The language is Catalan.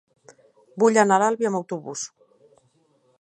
Vull anar a l'Albi amb autobús.